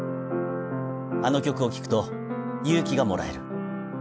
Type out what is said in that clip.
あの曲を聴くと勇気がもらえる。